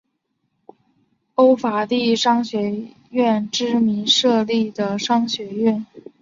欧法利商学院之名设立的商学院。